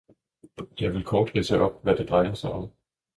Jeg vil kort ridse op, hvad det drejer sig om.